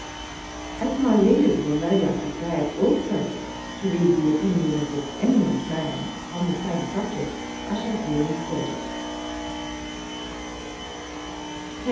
As my readers will no doubt be glad also to read the opinion of this eminent man upon the same subject, I shall here insert it.